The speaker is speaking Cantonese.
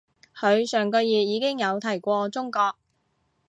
佢上個月已經有提過中國